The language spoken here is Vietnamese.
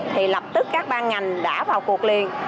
thì lập tức các ban ngành đã vào cuộc liền